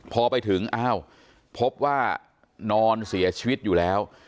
พอไปถึงอ้าวพบว่านอนเสียชีวิตอยู่แล้ว